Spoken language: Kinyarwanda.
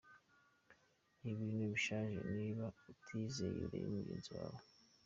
Ni ibintu bishaje, niba utiyizeye urebe mugenzi wawe.